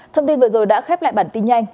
thông tin vừa rồi đã khép lại bản tin nhanh